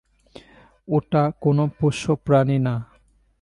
ওটা কোনো পোষ্য প্রাণী না।